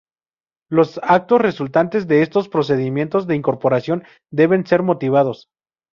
Los actos resultantes de estos procedimientos de incorporación deben ser motivados.